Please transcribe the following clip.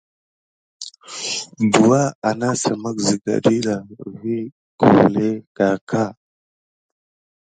Douwa anasime siga ɗida vi kilué karka.